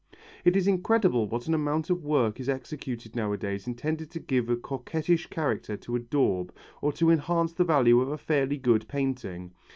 It is incredible what an amount of work is executed nowadays intended to give a coquettish character to a daub, or to enhance the value of a fairly good painting.